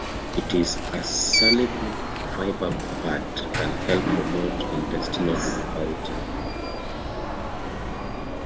It is a soluble fiber but can help promote intestinal regularity.